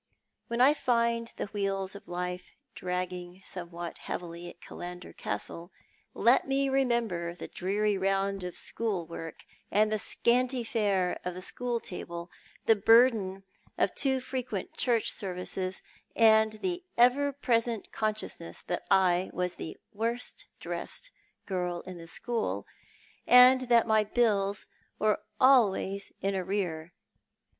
When I find tlie wheels of life dragging somewhat heavily at Killander Castle, let me remember the dreary round of school work, the scanty fare of the school table, the burden of too frequent church services, and the ever present consciousness that I was the worst dressed girl in the school, and that my bills were always in arrear.